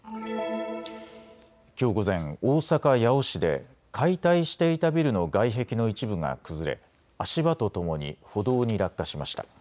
きょう午前、大阪八尾市で解体していたビルの外壁の一部が崩れ足場とともに歩道に落下しました。